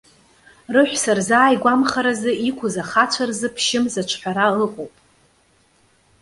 Рыҳәса рзааигәамхаразы иқәыз ахацәа рзы ԥшьымз аҿҳәара ыҟоуп.